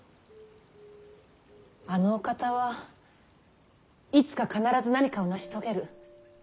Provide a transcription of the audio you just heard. あのお方はいつか必ず何かを成し遂げる。